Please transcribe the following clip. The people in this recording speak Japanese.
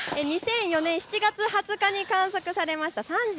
２００４年７月２０日に観測されました。